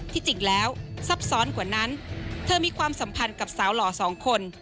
ที่จริงแล้วซับซ้อนกว่านั้นเธอมีความสัมพันธ์กับสาวหล่อสองคน